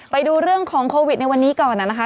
ไปดูเรื่องของโควิดในวันนี้ก่อนนะคะ